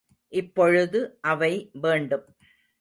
இப்பொழுது அவை வேண்டும்.